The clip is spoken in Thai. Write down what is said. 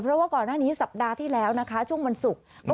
เพราะว่าก่อนหน้านี้สัปดาห์ที่แล้วนะคะช่วงวันศุกร์